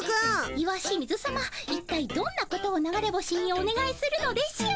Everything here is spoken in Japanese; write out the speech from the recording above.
石清水さまいったいどんなことを流れ星におねがいするのでしょう。